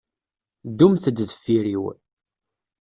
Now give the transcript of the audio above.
Ddumt-d deffir-iw.